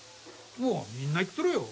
もうみんな言っとるよ。